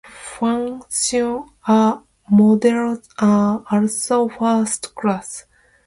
Functions and modules are also first-class.